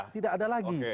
tidak ada lagi